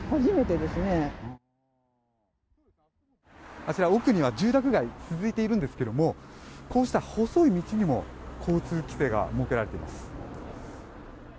あちら、奥には住宅街が続いているんですけれどもこうした細い道にも交通規制が設けられています。